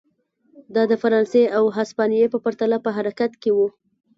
دا د فرانسې او هسپانیې په پرتله په حرکت کې و.